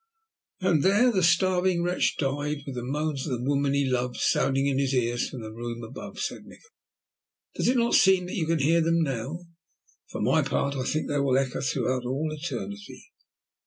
"And there the starving wretch died with the moans of the woman he loved sounding in his ears from the room above," said Nikola. "Does it not seem that you can hear them now? For my part, I think they will echo through all eternity."